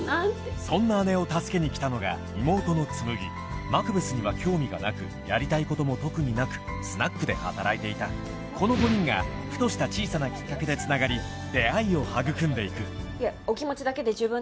そんな姉を助けに来たのが妹のつむぎマクベスには興味がなくやりたいことも特になくスナックで働いていたこの５人がふとした小さなきっかけでつながり出会いを育んで行くいえお気持ちだけで十分です。